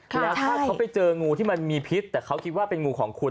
แล้วถ้าเขาไปเจองูที่มันมีพิษแต่เขาคิดว่าเป็นงูของคุณ